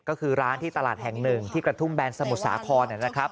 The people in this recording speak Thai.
ก็คือร้านที่ตลาดแห่ง๑ที่กระทุ่มแบนสมุทรสาคร